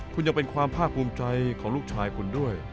คุณยังเป็นความภาคภูมิใจของลูกชายคุณด้วย